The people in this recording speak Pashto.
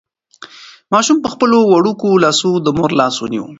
ماشوم په خپلو وړوکو لاسو د مور لاس ونیو.